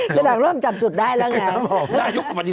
แสดงโดนจำจุดได้แล้วไง